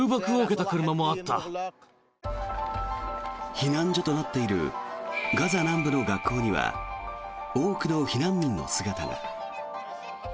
避難所となっているガザ南部の学校には多くの避難民の姿が。